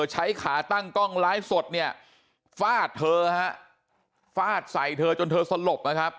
ใช้ขาตั้งกล้องไลฟ์สดเนี่ยฟาดเธอฮะฟาดใส่เธอจนเธอสลบนะครับ